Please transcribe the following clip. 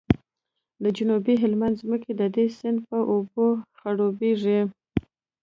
د جنوبي هلمند ځمکې د دې سیند په اوبو خړوبیږي